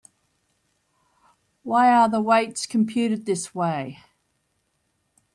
Why are the weights computed this way?